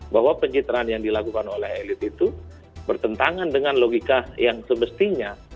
bahwa pencitraan yang dilakukan oleh elit itu bertentangan dengan logika yang semestinya